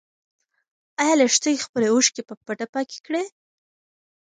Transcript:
ايا لښتې خپلې اوښکې په پټه پاکې کړې؟